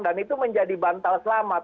dan itu menjadi bantal selamat